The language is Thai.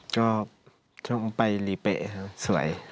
ก็จะถึงไปรีเบะครับสวย